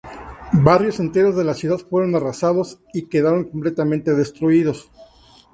Barrios enteros de la ciudad fueron arrasados y quedaron completamente destruidos.